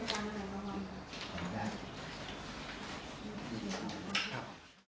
สวัสดีครับ